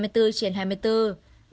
trực hai mươi bốn trên hai mươi bốn